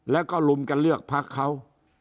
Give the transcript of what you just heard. แล้วก็ลุมกันเลือกพักเขา